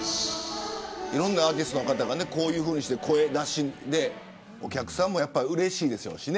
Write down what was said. いろんなアーティストの方が声出しでお客さんもうれしいでしょうしね。